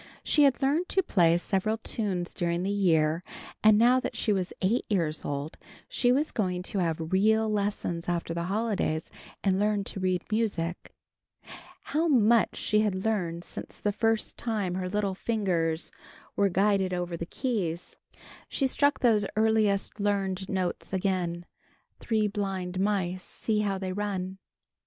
She had learned to play several tunes during the year, and now that she was eight years old, she was going to have real lessons after the holidays and learn to read music. How much she had learned since the first time her little fingers were guided over the keys. She struck those earliest learned notes again: "Three blind mice! See how they run!"